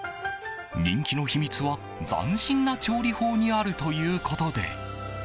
人気の秘密は斬新な調理法にあるということで。